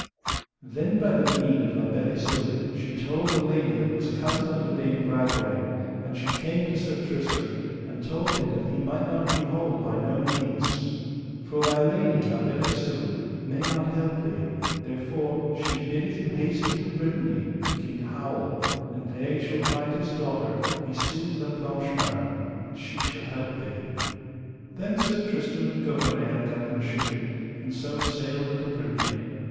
Then by the mean of La Beale Isoud she told a lady that was cousin unto Dame Bragwaine, and she came to Sir Tristram, and told him that he might not be whole by no means. For thy lady, La Beale Isoud, may not help thee, therefore she biddeth you haste into Brittany to King Howel, and there ye shall find his daughter, Isoud la Blanche Mains, and she shall help thee. Then Sir Tristram and Gouvernail gat them shipping, and so sailed into Brittany.